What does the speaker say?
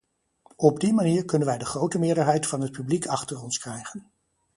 Op die manier kunnen wij de grote meerderheid van het publiek achter ons krijgen.